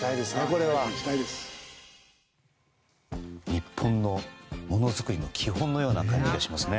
日本のものづくりの基本のような感じがしますね。